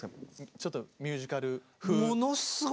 ちょっとミュージカル風。